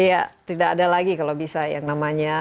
iya tidak ada lagi kalau bisa yang namanya